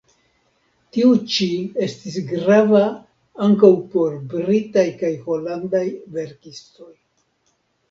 Tiu ĉi estis grava ankaŭ por britaj kaj holandaj verkistoj.